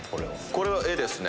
これは絵ですね。